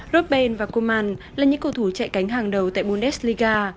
robben và coman là những cầu thủ chạy cánh hàng đầu tại bundesliga